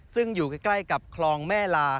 ซึ่งอยู่ใกล้กับคลองแม่ลา